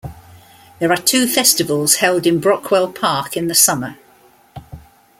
There are two festivals held in Brockwell Park in the summer.